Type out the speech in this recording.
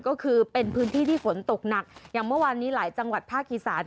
ก็คือเป็นพื้นที่ที่ฝนตกหนักอย่างเมื่อวานนี้หลายจังหวัดภาคอีสาน